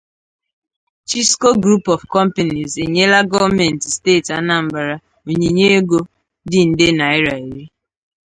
'Chisco Group of Companies' enyela gọọmenti steeti Anambra onyinye ego dị nde naịra iri.